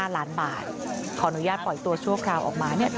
๕ล้านบาทขออนุญาตปล่อยตัวชั่วคราวออกมา